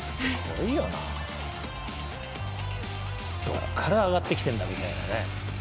どこから上がってきてんだみたいなね。